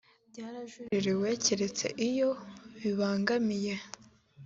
byarajuririwe keretse iyo bibangamiye